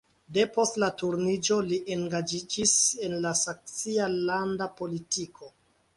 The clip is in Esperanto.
De post la Turniĝo li engaĝiĝis en la saksia landa politiko.